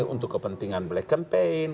untuk kepentingan black campaign